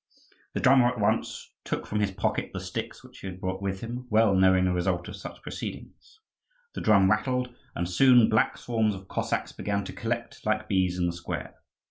The drummer at once took from his pocket the sticks which he had brought with him, well knowing the result of such proceedings. The drum rattled, and soon black swarms of Cossacks began to collect like bees in the square.